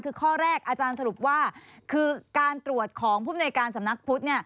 คือข้อแรกอาจารย์สรุปว่าคือการตรวจของภูมิในการสำนักพุทธ